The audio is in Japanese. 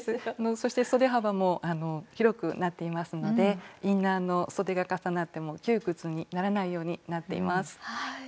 そしてそで幅も広くなっていますのでインナーのそでが重なっても窮屈にならないようになっています。